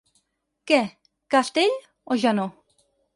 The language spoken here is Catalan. Què, cast ell o ja no?